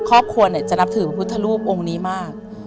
ครอบครัวจะนับถือพระพุทธรูปองค์นี้มาก